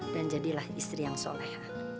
dan jadilah istri yang soleh